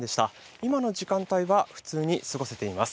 今の時間帯は普通に過ごせています。